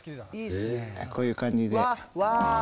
こういう感じで。